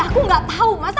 aku gak tau mas